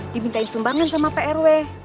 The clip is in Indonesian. dimintain sumbangan sama prw